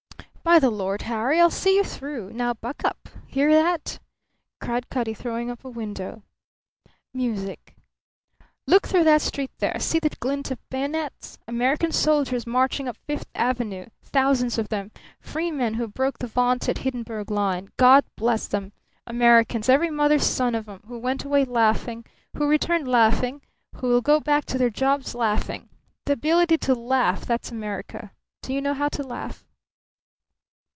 "By the Lord Harry, I'll see you through. Now buck up. Hear that?" cried Cutty, throwing up a window. "Music." "Look through that street there. See the glint of bayonets? American soldiers, marching up Fifth Avenue, thousands of them, freemen who broke the vaunted Hindenburg Line. God bless 'em! Americans, every mother's son of 'em; who went away laughing, who returned laughing, who will go back to their jobs laughing. The ability to laugh, that's America. Do you know how to laugh?"